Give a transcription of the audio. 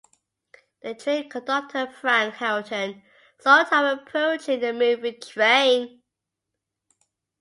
The train conductor, Frank Harrington, saw Tom approaching the moving train.